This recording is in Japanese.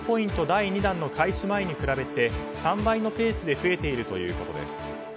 第２弾の開始前に比べて３倍のペースで増えているということです。